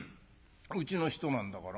うちの人なんだから。